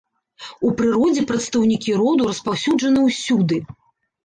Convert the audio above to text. У прыродзе прадстаўнікі роду распаўсюджаны ўсюды.